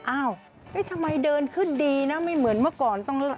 อ้าวทำไมเดินขึ้นดีนะไม่เหมือนเมื่อก่อน